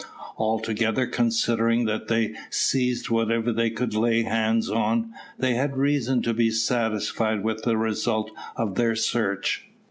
Altogether, considering that they seized whatever they could lay hands on, they had reason to be satisfied with the result of their search.